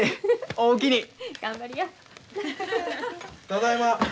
ただいま。